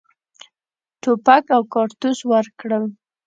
توپک او کارتوس ورکړل.